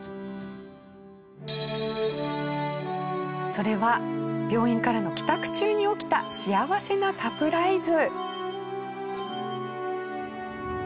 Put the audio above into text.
それは病院からの帰宅中に起きた幸せなサプライズ。